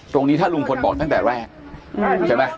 ตรงนี้ถ้าลุงพลบอกตั้งแต่แรกใช่ไหม